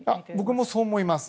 僕もそう思います。